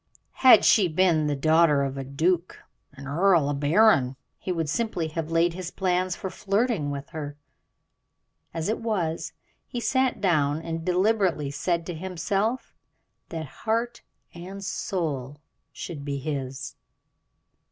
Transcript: Had she been the daughter of a duke, an earl, a baron, he would simply have laid his plans for flirting with her; as it was, he sat down and deliberately said to himself that heart and soul should be his.